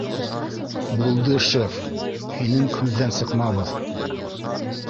— Булды, шеф, һинең һүҙҙән сыҡмабыҙ